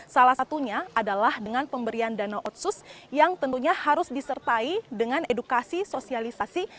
salah satunya adalah dengan pemberian dana otsus yang tentunya harus disertai dengan edukasi sosialisasi